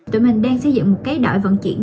tụi mình đang xây dựng một cái đội vận chuyển